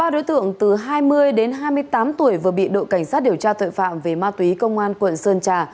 ba đối tượng từ hai mươi đến hai mươi tám tuổi vừa bị đội cảnh sát điều tra tội phạm về ma túy công an quận sơn trà